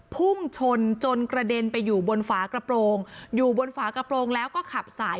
พุ่งชนจนกระเด็นไปอยู่บนฝากระโปรงอยู่บนฝากระโปรงแล้วก็ขับสาย